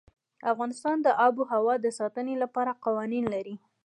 افغانستان د آب وهوا د ساتنې لپاره قوانین لري.